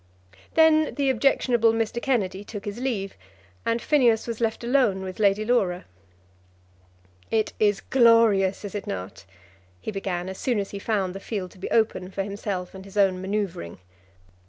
Then the objectionable Mr. Kennedy took his leave, and Phineas was left alone with Lady Laura. "It is glorious; is it not?" he began, as soon as he found the field to be open for himself and his own manoeuvring.